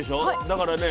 だからね